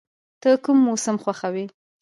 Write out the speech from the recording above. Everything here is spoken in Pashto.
ته کوم موسم خوښوې؟